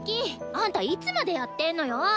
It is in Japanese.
あんたいつまでやってんのよ！